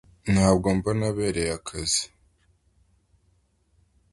Ntabwo mbona ko abereye akazi